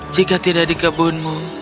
jika tidak di kebunmu